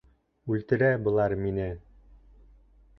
Үлтерә былар мине!